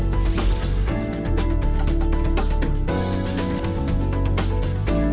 kita tahu beda